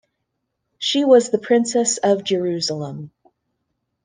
She was the princess of Jerusalem.